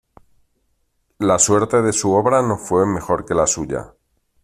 La suerte de su obra no fue mejor que la suya.